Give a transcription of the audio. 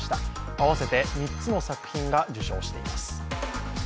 合わせて３つの作品が受賞しています。